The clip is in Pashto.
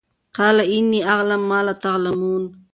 قَالَ إِنِّىٓ أَعْلَمُ مَا لَا تَعْلَمُونَ